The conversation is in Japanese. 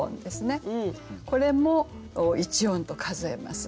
これも一音と数えます。